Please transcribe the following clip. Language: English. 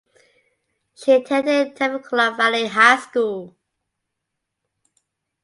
She attended Temecula Valley High School.